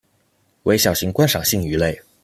为小型观赏性鱼类。